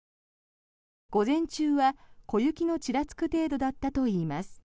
午前中は小雪のちらつく程度だったといいます。